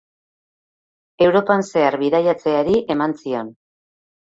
Europan zehar bidaiatzeari eman zion.